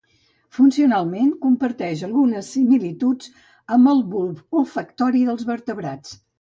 Funcionalment, comparteix algunes similituds amb el bulb olfactori dels vertebrats.